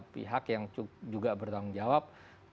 pihak yang juga bertanggung jawab